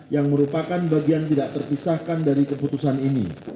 yang merupakan bagian tidak terpisahkan dari keputusan ini